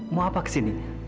mau apa kesini